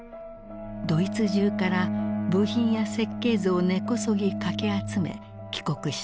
ドイツ中から部品や設計図を根こそぎかき集め帰国した。